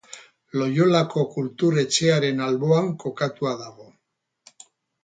Loiolako Kultur Etxearen alboan kokatua dago.